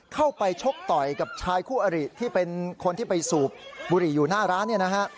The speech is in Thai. เข้าไปชกต่อยกับชายคู่อริที่เป็นคนที่ไปสูบบุหรี่อยู่หน้าร้านเนี่ยนะฮะ